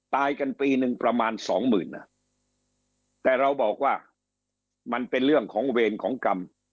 ตายกันปีหนึ่งประมาณสองหมื่นอ่ะแต่เราบอกว่ามันเป็นเรื่องของเวรของกรรม